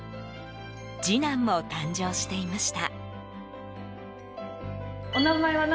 次男も誕生していました。